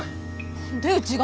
何でうちが。